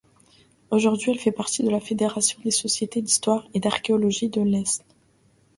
Aujourd'hui, elle fait partie de la fédération des sociétés d'histoire et d'archéologie de l'Aisne.